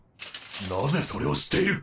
なぜそれを知っている？